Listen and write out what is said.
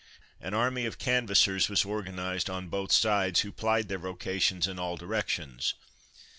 An army of canvassers was organised on both sides, who plied their vocations in all directions.